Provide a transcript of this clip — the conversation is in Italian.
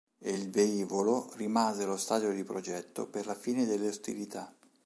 Il velivolo rimase allo stadio di progetto per la fine delle ostilità.